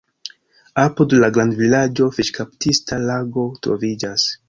Apud la grandvilaĝo fiŝkaptista lago troviĝas.